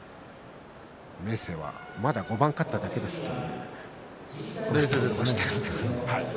明生は、まだ５番勝っただけですと話していました。